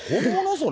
それ。